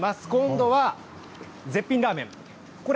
今度は絶品ラーメン。